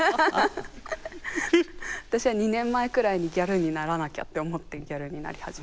私は２年前くらいにギャルにならなきゃって思ってギャルになり始めました。